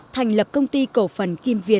thành lập công ty cổ phần kim việt